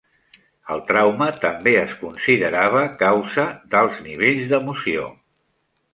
El trauma també es considerava causa d'alts nivells d'emoció.